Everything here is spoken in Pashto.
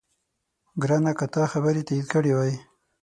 ګرانه! که تا خبرې تایید کړې وای،